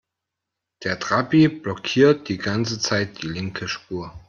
Der Trabi blockiert die ganze Zeit die linke Spur.